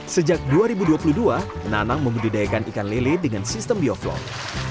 sejak dua ribu dua puluh dua nanang membudidayakan ikan lele dengan sistem bioflok